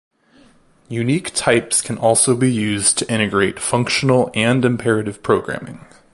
Unique types can also be used to integrate functional and imperative programming.